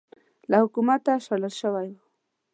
له حکومته شړل شوی و